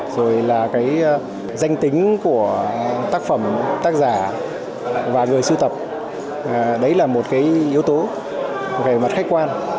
rồi là cái danh tính của tác phẩm tác giả và người sưu tập đấy là một cái yếu tố về mặt khách quan